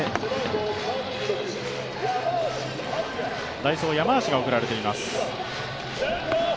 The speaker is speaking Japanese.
代走・山足が送られています。